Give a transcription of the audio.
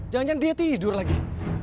jangan jangan dia tidur lagi